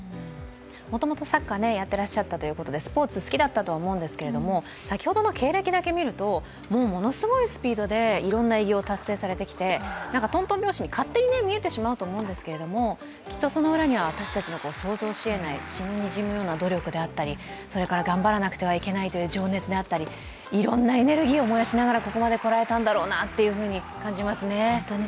もともとサッカーやってらっしゃったということでスポーツ好きだと思うんですけど先ほどの経歴だけ見ると、ものすごいスピードでいろんな偉業を達成されてきてトントン拍子に、勝手に見えてしまうんですけどもきっとその裏には私たちの想像しえない血のにじむような努力であったり頑張らなくてはいけないという情熱であったり、いろんなエネルギーを燃やしながらここまでこられたんだろうなって感じますね。